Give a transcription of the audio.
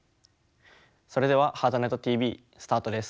それでは「ハートネットＴＶ」スタートです。